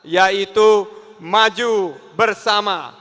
yaitu maju bersama